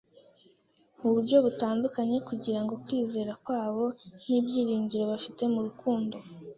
mu buryo butandukanye kugira ngo kwizera kwabo n’ibyiringiro bafite mu Rukundo